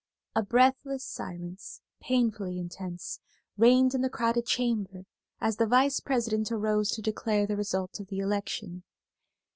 A breathless silence, painfully intense, reigned in the crowded chamber as the Vice President arose to declare the result of the election.